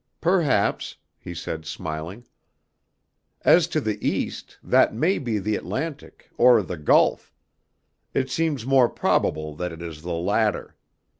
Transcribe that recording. "Perhaps," he said, smiling. "As to the East, that may be the Atlantic, or the Gulf; it seems more probable that it is the latter.